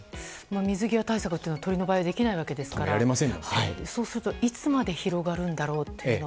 水際対策は鳥の場合できませんからそうするといつまで広がるんだろうと。